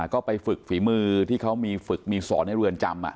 ก็ไปฝึกฝีมือที่เขามีฝึกมีสอนในเรือนจำ